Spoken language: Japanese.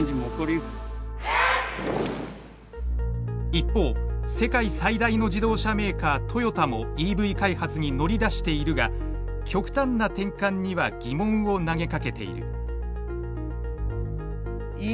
一方世界最大の自動車メーカー「トヨタ」もＥＶ開発に乗り出しているが極端な転換には疑問を投げかけている。